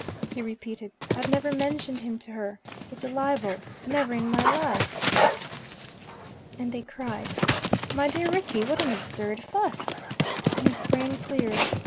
He repeated, "I've never mentioned him to her. It's a libel. Never in my life." And they cried, "My dear Rickie, what an absurd fuss!" Then his brain cleared.